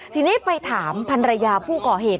ทีนี้ไปถามพันรยาผู้ก่อเหตุ